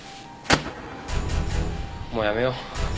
もうやめよう。